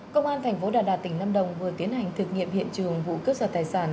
công an tp đà đạt tỉnh lâm đồng vừa tiến hành thực nghiệm hiện trường vụ cướp sở tài sản